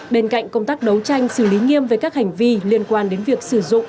bên cạnh công tác đấu tranh xử lý nghiêm về các hành vi liên quan đến việc sử dụng